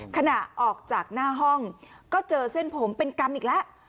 ขณะออกจากหน้าห้องก็เจอเส้นผมเป็นกรรมอีกแล้ว